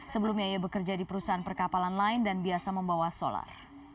sebelumnya ia bekerja di perusahaan perkapalan lain dan biasa membawa solar